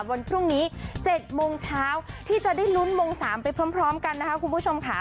วันพรุ่งนี้๗โมงเช้าที่จะได้ลุ้นมง๓ไปพร้อมกันนะคะคุณผู้ชมค่ะ